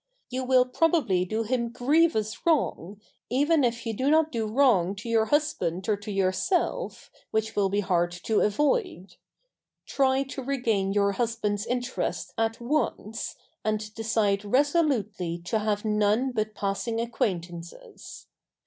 You will probably do him grievous wrong, even if you do not do wrong to your husband or to yourself, which will be hard to avoid. Try to regain your husband's interest at once, and decide resolutely to have none but passing acquaintances.